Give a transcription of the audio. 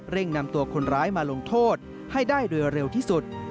นำตัวคนร้ายมาลงโทษให้ได้โดยเร็วที่สุด